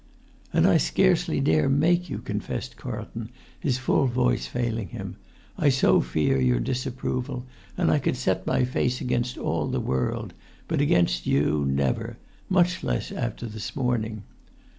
"And I scarcely dare make you!" confessed Carlton, his full voice failing him. "I so fear your disapproval; and I could set my face against all the world, but against you never, much less after this morning